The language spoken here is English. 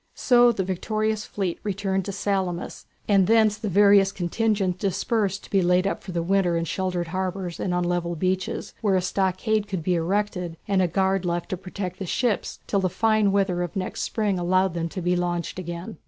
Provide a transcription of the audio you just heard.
So the victorious fleet returned to Salamis, and thence the various contingents dispersed to be laid up for the winter in sheltered harbours and on level beaches, where a stockade could be erected and a guard left to protect the ships till the fine weather of next spring allowed them to be launched again.